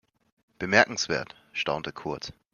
Bemerkenswert, staunte Kurt.